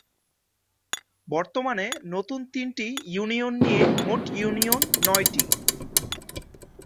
বর্তমানে নতুন তিনটি ইউনিয়ন নিয়ে মোট ইউনিয়ন নয়টি।